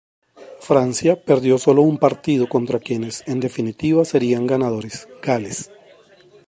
Francia perdió sólo un partido; contra quienes en definitiva serían ganadores, Gales.